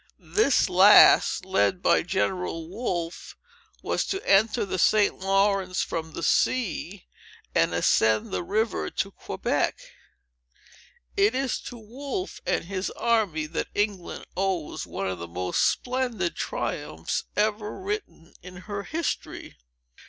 This last, led by General Wolfe, was to enter the St. Lawrence from the sea, and ascend the river to Quebec. It is to Wolfe and his army that England owes one of the most splendid triumphs, ever written in her history.